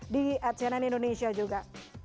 di at cnn indonesia juga